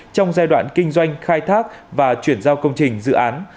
trong giai đoạn kinh doanh khai thác và chuyển giao công trình dự án